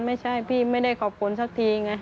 ไม่ใช่พี่ไม่ได้ขอบคุณสักทีไง